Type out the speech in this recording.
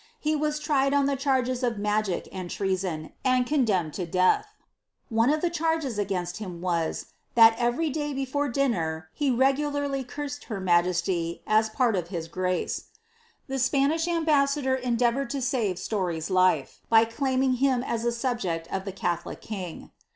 He was tried on the charges ofniagic and treason, and demned to death. One of the charges against him wiw, that ever; before dinner he regularly cursed her majeaty, m a pail of his f The Spanish ambacsador endearouieil to Mte Story's life, by elai him aa a anbject of the ettboUc lung.